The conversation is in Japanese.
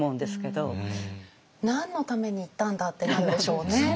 何のために行ったんだってなるでしょうね。